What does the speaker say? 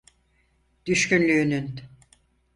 Düşkünlüğünün.